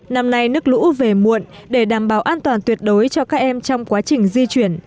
năm nay nước lũ về muộn để đảm bảo an toàn tuyệt đối cho các em trong quá trình di chuyển